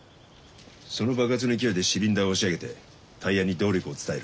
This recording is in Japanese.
その爆発の勢いでシリンダーを押し上げてタイヤに動力を伝える。